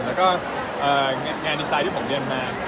แล้วก็งานดีไซน์ที่ผมเดินมา